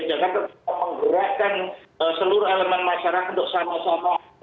bisa menggerakkan seluruh elemen masyarakat untuk sama sama menerapkan protokol kesehatan